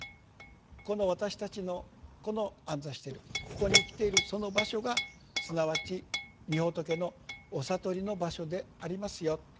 この私たちのこの安座してるここに生きているその場所がすなわちみ仏のお悟りの場所でありますよ。